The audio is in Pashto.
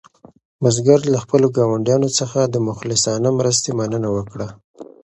بزګر له خپلو ګاونډیانو څخه د مخلصانه مرستې مننه وکړه.